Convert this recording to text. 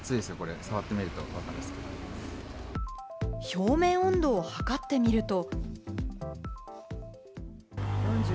表面温度を測ってみると。